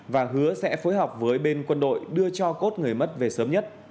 và hứa sẽ phối hợp với bên quân đội đưa cho cốt người mất về sớm nhất